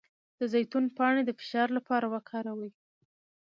د زیتون پاڼې د فشار لپاره وکاروئ